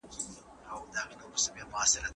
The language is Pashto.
یو بوډا مي وو لیدلی